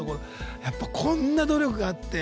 やっぱ、こんな努力があって。